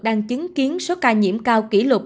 đang chứng kiến số ca nhiễm cao kỷ lục